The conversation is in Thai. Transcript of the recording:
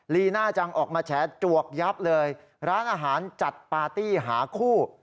ลีน่าจังออกมาแฉจวกยับเลยร้านอาหารจัดปาร์ตี้หาคู่